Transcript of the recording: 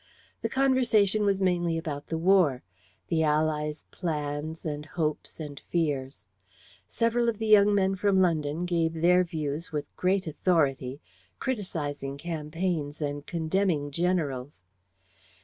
The conversation was mainly about the war: the Allies' plans and hopes and fears. Several of the young men from London gave their views with great authority, criticising campaigns and condemning generals.